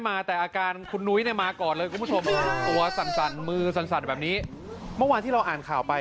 ไม่ได้ไม่ได้หรือเขาไม่รู้ตัวไม่รู้มันจะมายี